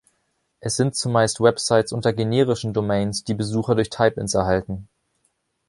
Es sind zumeist Websites unter generischen Domains, die Besucher durch Type-ins erhalten.